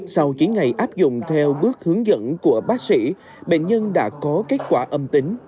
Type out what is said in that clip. sau chín ngày áp dụng theo bước hướng dẫn của bác sĩ bệnh nhân đã có kết quả âm tính